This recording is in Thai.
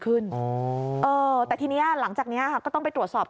ขึ้นอ๋อเออแต่ทีเนี้ยหลังจากเนี้ยค่ะก็ต้องไปตรวจสอบ